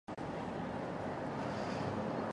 自分の例の十個の禍いなど、吹っ飛んでしまう程の、